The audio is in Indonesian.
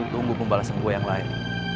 tunggu pembalasan gua yang lain